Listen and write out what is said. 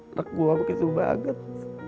anak gua begitu banget